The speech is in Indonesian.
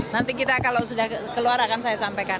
nanti kita kalau sudah keluar akan saya sampaikan